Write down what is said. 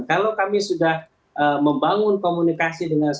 kalau kami sudah membangun komunitas yang bergabung dengan pks